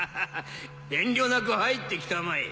遠慮なく入ってきたまえ。